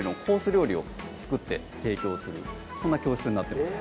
料理を作って提供するそんな教室になってます